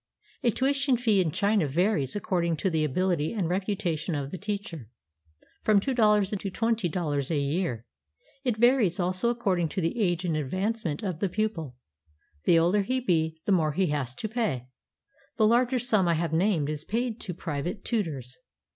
A tuition fee in China varies according to the ability and reputation of the teacher, from two dollars to twenty dollars a year. It varies also according to the age and advancement of the pupil. The older he be, the more he has to pay. The larger sum I have named is paid to private tutors.